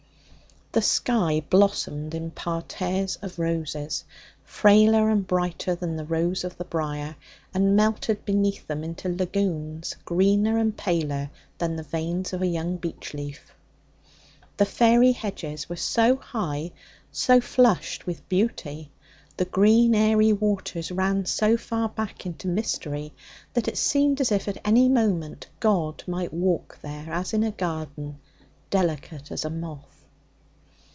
The sky blossomed in parterres of roses, frailer and brighter than the rose of the briar, and melted beneath them into lagoons greener and paler than the veins of a young beech leaf. The fairy hedges were so high, so flushed with beauty, the green airy waters ran so far back into mystery, that it seemed as if at any moment God might walk there as in a garden, delicate as a moth.